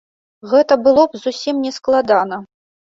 Гэта было б зусім нескладана.